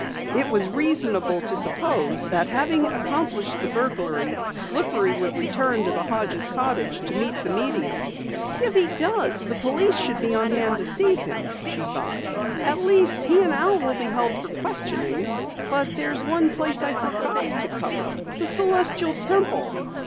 It was reasonable to suppose that, having accomplished the burglary, Slippery would return to the Hodges' cottage to meet the medium. "If he does, the police should be on hand to seize him," she thought. "At least, he and Al will be held for questioning. But there's one place I forgot to cover the Celestial Temple."